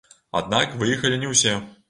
Аднак выехалі не ўсё.